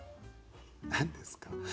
何ですか？